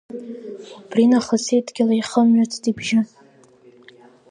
Убринахыс идгьыл иахымҩыцт ибжьы…